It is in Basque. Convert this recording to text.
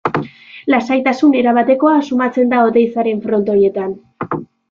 Lasaitasun erabatekoa sumatzen da Oteizaren Frontoietan.